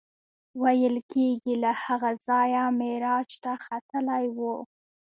ویل کېږي له هغه ځایه معراج ته ختلی و.